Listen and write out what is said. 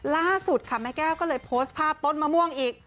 ล่าสุดค่ะแม่แก้วก็เลยโพสต์ภาพต้นมะม่วงอีก